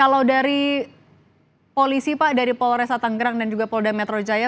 kalau dari polisi pak dari polres atanggerang dan juga polda metro jaya